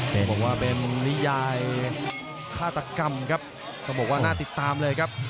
ต้องบอกว่าเป็นนิยายฆาตกรรมครับต้องบอกว่าน่าติดตามเลยครับ